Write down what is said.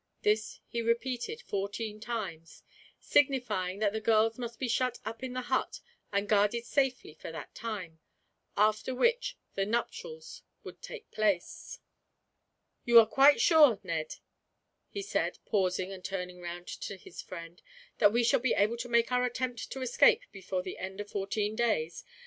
This he repeated fourteen times, signifying that the girls must be shut up in the hut and guarded safely for that time, after which the nuptials would take place. "You are quite sure, Ned," he said, pausing and turning round to his friend, "that we shall be able to make our attempt to escape before the end of the fourteen days?